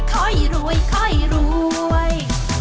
ค่อยรวยค่อยรวย